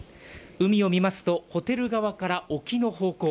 海を見ますとホテル側から沖の方向